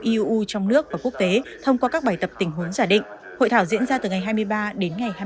iuu trong nước và quốc tế thông qua các bài tập tình huống giả định hội thảo diễn ra từ ngày hai mươi ba đến ngày hai mươi